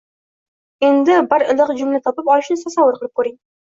Endi bir iliq jumla topib olishni tasavvur qilib ko‘ring.